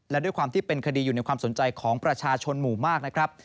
และด้วยความที่เป็นคดีอยู่ในความสนใจของประชาชนหมู่มากนะครับ